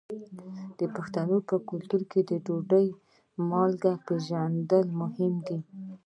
د پښتنو په کلتور کې د ډوډۍ مالګه پیژندل مهم دي.